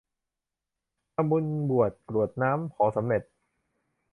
ทำบุญบวช กรวดน้ำ ขอสำเร็จ